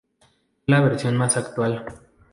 Es la versión más actual.